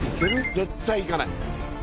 絶対行かない。